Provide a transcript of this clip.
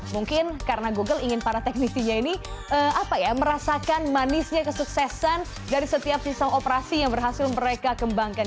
mungkin karena google ingin para teknisinya ini merasakan manisnya kesuksesan dari setiap sistem operasi yang berhasil mereka kembangkan